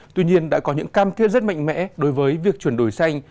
tuy nhiên đã có những cam kết rất mạnh mẽ đối với việc chuyển đổi xanh